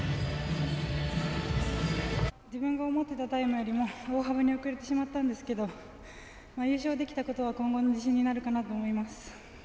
自分が思ってたタイムよりも大幅に遅れてしまったんですけれども優勝できたことは今後の自信になるかと思います。